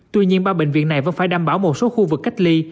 tuy nhiên ba bệnh viện này vẫn phải đảm bảo một số khu vực cách ly